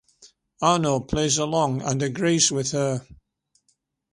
Arno plays along and agrees with her.